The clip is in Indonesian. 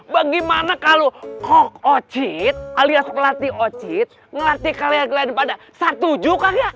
bagaimana kalau kok ocit alias pelatih ocit ngelatih kalian pada saat tujuh kakak